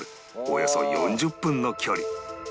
およそ４０分の距離